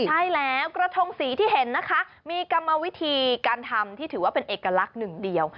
ใช่แล้วกระทงสีที่เห็นนะคะมีกรรมวิธีการทำที่ถือว่าเป็นเอกลักษณ์หนึ่งเดียว